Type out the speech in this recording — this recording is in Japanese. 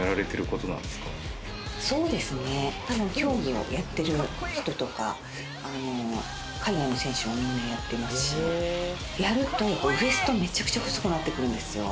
競技をやってる人とか、海外の選手はみんなやってますしやるとウエストめちゃくちゃ細くなってくるんですよ。